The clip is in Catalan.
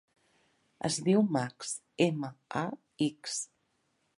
Es diu Max: ema, a, ics.